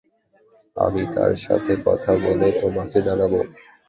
আমি তার সাথে কথা বলে তোমাকে জানাব।